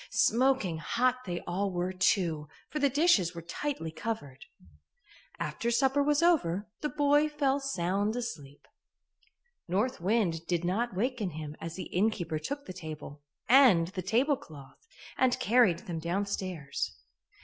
Smoking hot they all were, too, for the dishes were tightly covered. After supper was over, the boy fell sound asleep. North Wind did not waken him as the innkeeper took the table and the tablecloth and carried them downstairs.